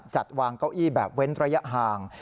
จัดวางเก้าอี้แบบเว้นระยะห่าง